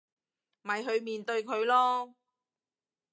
咪去面對佢囉